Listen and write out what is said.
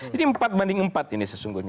jadi empat banding empat ini sesungguhnya